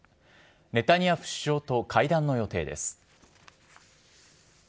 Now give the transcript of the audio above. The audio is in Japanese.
ネタニヤフ首相と会談の予定です。